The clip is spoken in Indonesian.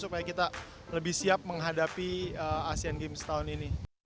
supaya kita lebih siap menghadapi asian games tahun ini